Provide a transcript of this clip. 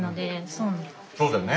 そうだよね。